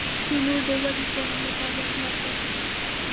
تنور د وږې کورنۍ لپاره رحمت دی